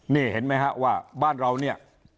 นี่เห็นไหมฮะว่าบ้านเราเนี่ย